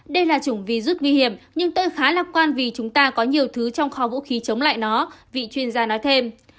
đây là chủng virus nguy hiểm nhưng tôi khá lạc quan vì chúng ta có nhiều thứ trong kho vũ khí chống lại nó vị chuyên gia nói thêm